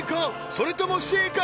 それともＣか？